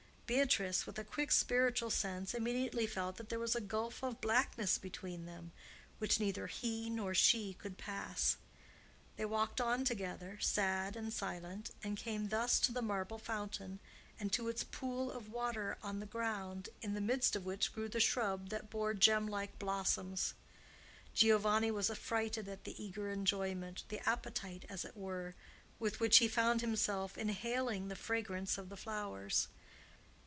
Beatrice, with a quick spiritual sense, immediately felt that there was a gulf of blackness between them which neither he nor she could pass. They walked on together, sad and silent, and came thus to the marble fountain and to its pool of water on the ground, in the midst of which grew the shrub that bore gem like blossoms. Giovanni was affrighted at the eager enjoyment—the appetite, as it were—with which he found himself inhaling the fragrance of the flowers.